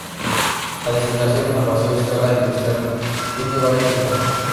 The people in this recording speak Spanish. La destilación al vacío a escala industrial tiene varias ventajas.